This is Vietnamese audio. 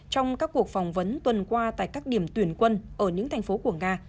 trong các cuộc phỏng vấn tuần qua tại các điểm tuyển quân ở những thành phố của nga